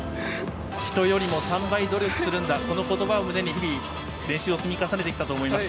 人よりも３倍努力するんだ、このことばを胸に、日々、練習を積み重ねてきたと思います。